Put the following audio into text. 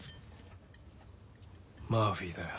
マーフィーだよ。